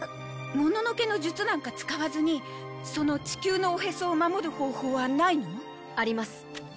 もののけの術なんか使わずにその地球のおへそを守る方法はないの？あります。